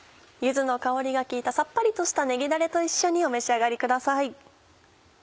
柚子の香りが効いたさっぱりとしたねぎだれと一緒にお召し上がりください。